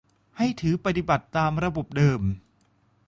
ให้ถือปฏิบัติตามระบบเดิม